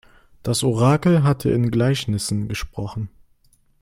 Das Orakel hatte in Gleichnissen gesprochen.